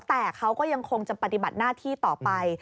แต่เขาก็ยังคงจะปฏิบัติหน้าที่ต่อไป